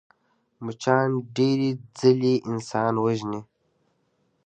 مچان ډېرې ځلې انسان ژوي